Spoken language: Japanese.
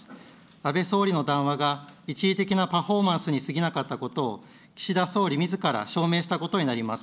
安倍総理の談話が一時的なパフォーマンスに過ぎなかったことを、岸田総理みずから証明したことになります。